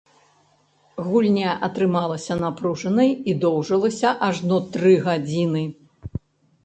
Гульня атрымалася напружанай і доўжылася ажно тры гадзіны.